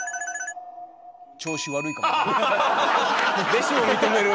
弟子も認める。